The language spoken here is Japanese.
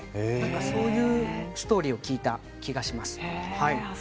そういうストーリーを聞いた気がします。